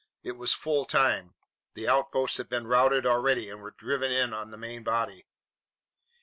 It was full time. The outposts had been routed already and were driven in on the main body.